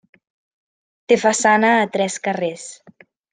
Té façana a tres carrers.